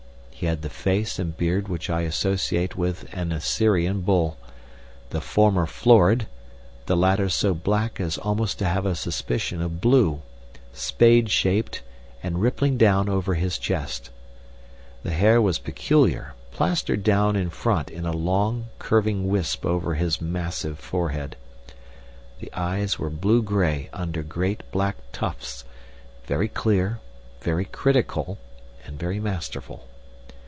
He had the face and beard which I associate with an Assyrian bull; the former florid, the latter so black as almost to have a suspicion of blue, spade shaped and rippling down over his chest. The hair was peculiar, plastered down in front in a long, curving wisp over his massive forehead. The eyes were blue gray under great black tufts, very clear, very critical, and very masterful.